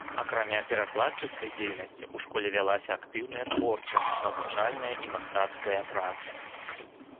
Акрамя перакладчыцкай дзейнасці, у школе вялася актыўная творчая, навучальная і мастацкая праца.